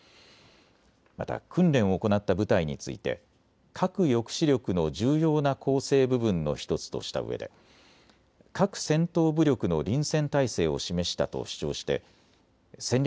また訓練を行った部隊について核抑止力の重要な構成部分の１つとしたうえで核戦闘武力の臨戦態勢を示したと主張して戦略